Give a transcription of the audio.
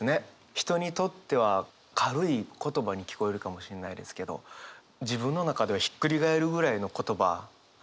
人にとっては軽い言葉に聞こえるかもしれないですけど自分の中ではひっくり返るぐらいの言葉なんでしょうね。